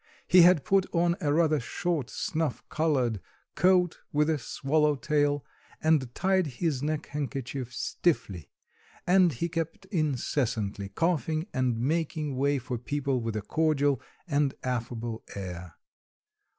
He had put on a rather short snuff coloured coat with a swallow tail, and tied his neck handkerchief stiffly, and he kept incessantly coughing and making way for people with a cordial and affable air.